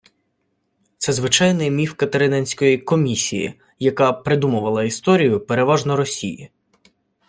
Це звичайний міф катерининської «Комісії», яка «придумувала історію, переважно Росії»